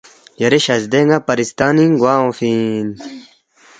یری شزدے ن٘ا پرستانِنگ گوا اونگفی اِن